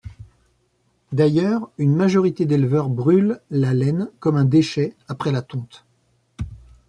D'ailleurs, une majorité d'éleveurs brûlent la laine comme un déchet après la tonte.